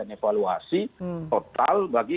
evaluasi total bagi